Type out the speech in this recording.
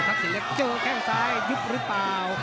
สินเล็กเจอแข้งซ้ายยุบหรือเปล่า